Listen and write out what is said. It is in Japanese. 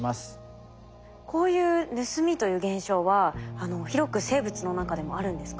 こういう盗みという現象は広く生物の中でもあるんですか？